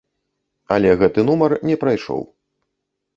Але гэты нумар не прайшоў.